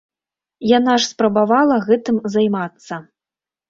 Яна ж спрабавала гэтым займацца.